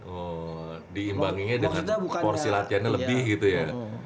oh diimbanginya dengan porsi latihannya lebih gitu ya